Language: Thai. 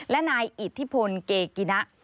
และนายอิทธิพลเกกินะ